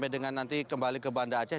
dengan nanti kembali ke banda aceh